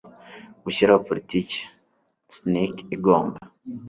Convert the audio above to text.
gushyiraho politiki snic igomba